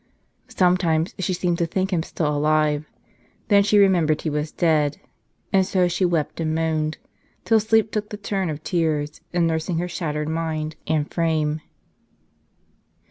Sometimes she seemed to think him still alive, then she remembered he was dead ; and so she w^ept and moaned, till sleep took the turn of tears, in nursing her shattered mind and frame.